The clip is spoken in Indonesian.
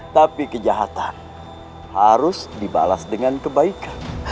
tapi kejahatan harus dibalas dengan kebaikan